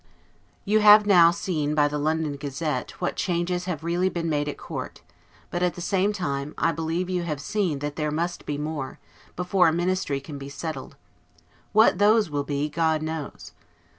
You have now seen by the London "Gazette," what changes have really been made at court; but, at the same time, I believe you have seen that there must be more, before a Ministry can be settled; what those will be, God knows.